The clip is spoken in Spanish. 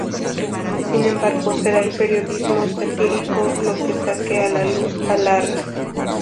Sin embargo, será el periodismo satírico lo que saque a la luz a Larra.